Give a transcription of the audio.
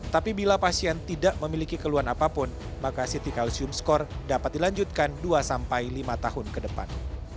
tapi bila pasien tidak memiliki keluhan apapun maka ct calcium score dapat dilanjutkan dua sampai lima tahun ke depan